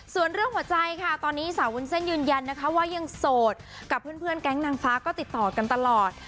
ส่วนเรื่องหัวใจค่ะตอนนี้สาววุ้นเส้นยืนยันนะคะว่ายังโสดกับเพื่อนแก๊งนางฟ้าก็ติดต่อกันตลอด